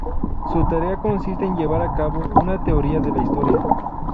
Su tarea consiste en llevar a cabo una teoría de la historia.